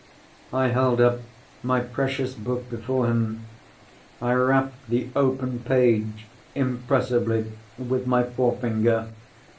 I held up my precious book before him; I rapped the open page impressively with my forefinger.